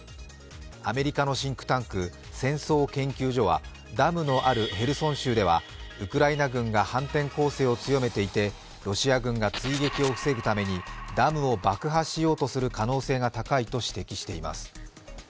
アメリカのシンクタンク＝戦争研究所はダムのあるヘルソン州ではウクライナ軍が反転攻勢を強めていて、ロシア軍が追撃を防ぐためにダムを爆破しようとする可能性が高いと指摘しています。